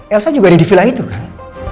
elsa juga ada di villa itu kan